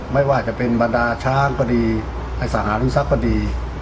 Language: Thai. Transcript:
ไม่ว่าจะเป็นบรรดาช้างก็ดีไอศหารุศักดี